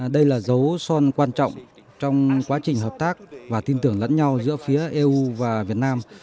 đây là dấu son quan trọng trong quá trình hợp tác và tin tưởng lẫn nhau giữa phía eu và việt nam